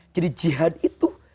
jadi jihad itu